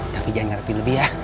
tapi jangan ngerti lebih ya